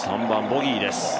３番、ボギーです。